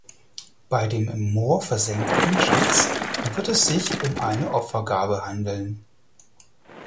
Bei dem im Moor versenkten Schatz wird es sich um eine Opfergabe handeln.